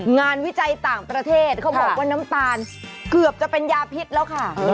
วิจัยต่างประเทศเขาบอกว่าน้ำตาลเกือบจะเป็นยาพิษแล้วค่ะ